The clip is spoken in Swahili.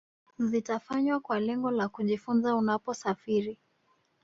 zitafanywa kwa lengo la kujifunza Unaposafiri